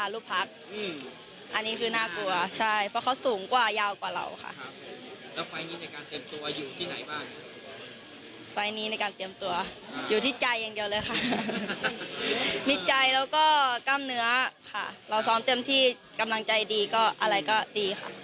แล้วร่างกายตอนนี้กี่ปัจจัยครับ